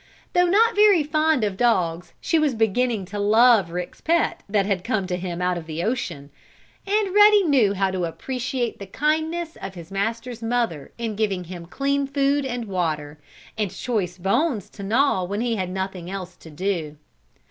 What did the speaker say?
Though not very fond of dogs she was beginning to love Rick's pet that had come to him out of the ocean, and Ruddy knew how to appreciate the kindness of his master's mother in giving him clean food and water, and choice bones to gnaw when he had nothing else to do.